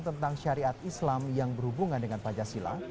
tentang syariat islam yang berhubungan dengan pancasila